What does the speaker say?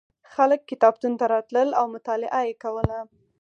خلک کتابتون ته راتلل او مطالعه یې کوله.